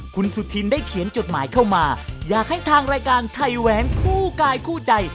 คุณสุธินได้เขียนจดหมายเข้ามาอยากให้ทางรายการไทยแหวนคู่กายคู่ใจ